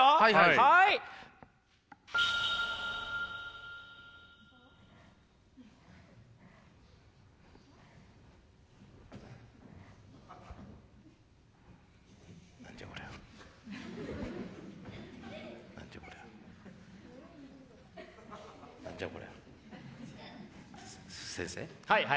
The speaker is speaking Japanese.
はいはいはい。